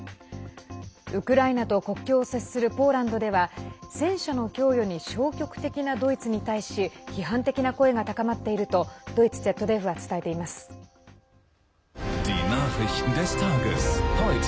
ウクライナと国境を接するポーランドでは戦車の供与に消極的なドイツに対し批判的な声が高まっているとドイツＺＤＦは伝えています。